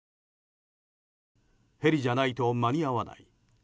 ヘリじゃないと間に合わない。